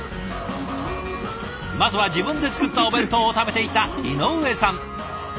まずは自分で作ったお弁当を食べていた井上さん。